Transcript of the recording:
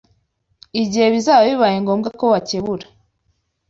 Igihe bizaba bibaye ngombwa ko bakebura